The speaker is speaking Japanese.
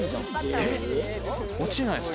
落ちないんですか？